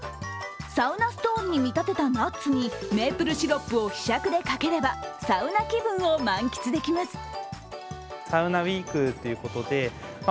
サウナストーンに見立てたナッツにメープルシロップをひしゃくでかければサウナ気分を満喫できます。